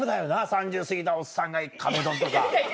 ３０すぎたおっさんが壁ドンとか。